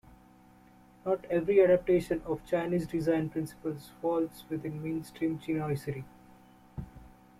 Not every adaptation of Chinese design principles falls within mainstream chinoiserie.